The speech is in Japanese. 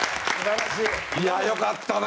いやよかったな！